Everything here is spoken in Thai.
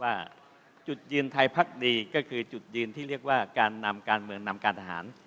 ว่าจุดยืนไทยพักดีก็คือจุดยืนที่เรียกว่าการนำการเมืองนำการทหาร